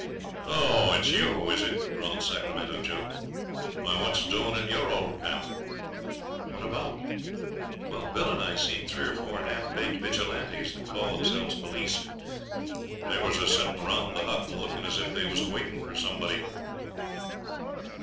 'Oh! it's you, is it?' drawled Sacramento Joe. 'Why, what's doin' at yer old camp?' 'What about?' said I. 'Wal, Bill and I seen three or four half baked vigilantes that call themselves police; they was a setting round the hut and looked as if they was awaiting for somebody.'